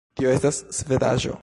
Tio estas svedaĵo